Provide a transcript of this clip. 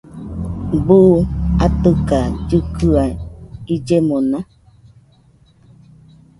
¿Buu atɨka llɨkɨa illemona?